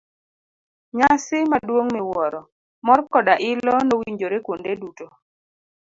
Nyasi maduong' miwuoro, mor koda ilo nowinjore kuonde duto.